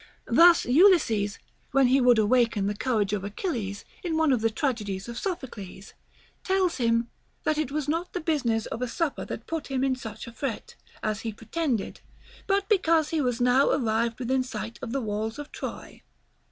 Thus Ulysses, when he would awaken the courage of Achilles, in one of the tragedies of Sophocles, tells him, that it was not the business of a supper that put him in such a fret, as he pretended, but because he was now arrived within sight of the walls of Troy.